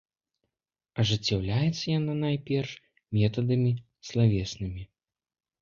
Ажыццяўляецца яна найперш метадамі славеснымі.